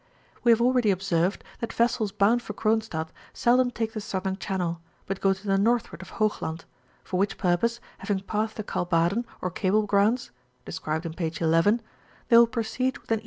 We have already observed, that vessels bound for Gronstadt seldom take the southern channel, but go to the northward of Hoogland; for which purpose, having passed the Kalbaden, or Cable Grounds (described in page 11), they will proceed with an E.